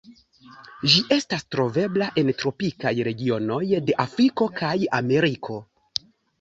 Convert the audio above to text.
Ĝi estas trovebla en tropikaj regionoj de Afriko kaj Ameriko.